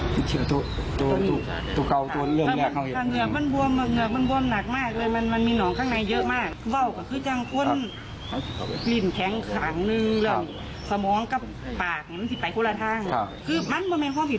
ต้องการเรียกร้องขอการเยียวยาจากทางโรงพยาบาล